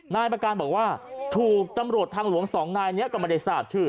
นายประการบอกว่าถูกตำรวจทางหลวงสองนายนี้ก็ไม่ได้ทราบชื่อ